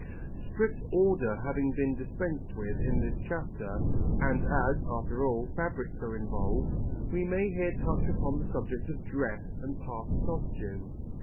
Strict order having been dispensed with in this chapter, and as, after all, fabrics are involved, we may here touch upon the subject of dress and past costumes.